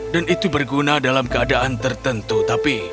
itu berguna dalam keadaan tertentu tapi